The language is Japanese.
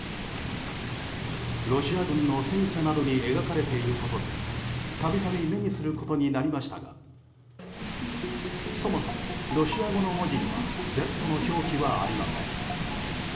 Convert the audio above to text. ロシア軍の戦車などに描かれていることで度々目にすることになりましたがそもそも、ロシア語の文字にはＺの表記はありません。